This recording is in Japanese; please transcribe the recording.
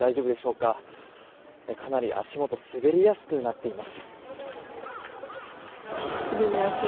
かなり足元滑りやすくなっています。